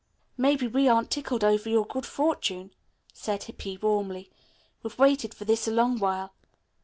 "Maybe we aren't tickled over your good fortune," said Hippy warmly. "We've waited for this a long while.